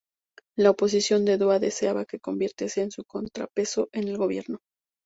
La oposición de Duan deseaba que se convirtiese en su contrapeso en el Gobierno.